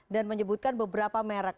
dan menyebutkan beberapa merek